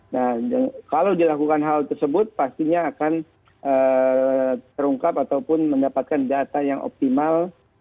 nah kalau dilakukan hal tersebut pastinya akan terungkap ataupun mendapatkan data yang optimal